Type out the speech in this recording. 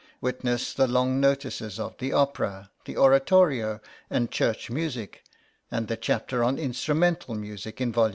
Witness the long notices of the Opera, the Oratorio, and Church music, and the chapter on Instrumental music in Vol.